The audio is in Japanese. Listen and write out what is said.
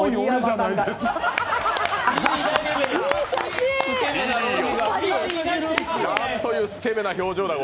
なんというすけべな表情だ。